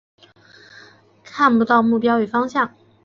看不到目标与方向